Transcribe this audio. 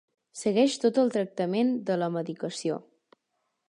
Segueix tot el tractament de la medicació.